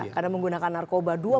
karena menggunakan narkoba